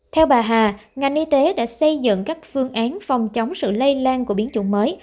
theo bà hà ngành y tế đã xây dựng các phương án phòng chống sự lây lan của biến chủng mới